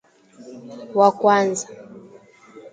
Wa kwanza